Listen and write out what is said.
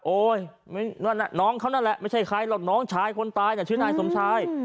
นั่นน้องเขานั่นแหละไม่ใช่ใครหรอกน้องชายคนตายน่ะชื่อนายสมชาย